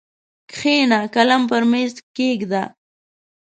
کښېنه قلم پر مېز کښېږده!